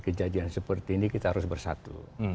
kejadian seperti ini kita harus bersatu